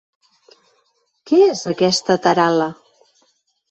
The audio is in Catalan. ¿Què és, aquesta taral·la?